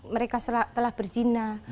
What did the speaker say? mereka telah berzina